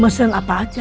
mesin apa aja